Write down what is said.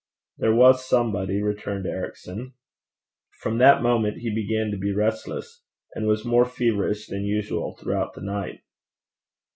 'There was somebody,' returned Ericson. From that moment he began to be restless, and was more feverish than usual throughout the night.